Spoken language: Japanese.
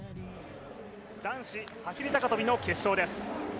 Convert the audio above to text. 男子走高跳の決勝です。